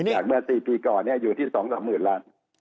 อย่างมา๔ปีก่อนอยู่ที่๒หรือ๓๐๐๐๐ล้าน